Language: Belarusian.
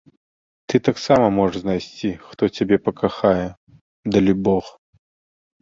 Ты таксама можаш знайсці, хто цябе пакахае, далібог.